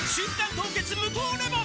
凍結無糖レモン」